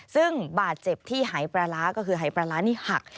ซึ่งบาดเจ็บที่หายปลาร้าก็คือหายปลาร้านี่หัก